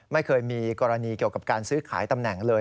ไม่เคยมีกรณีเกี่ยวกับการซื้อขายตำแหน่งเลย